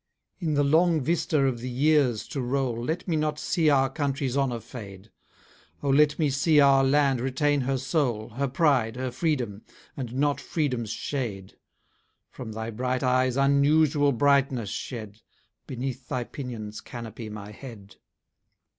In the long vista of the years to roll, Let me not see our country's honour fade: O let me see our land retain her soul, Her pride, her freedom; and not freedom's shade. From thy bright eyes unusual brightness shed Beneath thy pinions canopy my head!